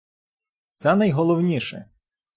Це найголовніше.